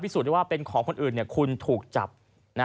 สูจนได้ว่าเป็นของคนอื่นคุณถูกจับ